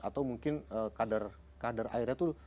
atau mungkin kadar airnya itu